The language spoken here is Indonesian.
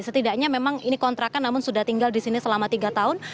setidaknya memang ini kontrakan namun sudah tinggal di sini selama tiga tahun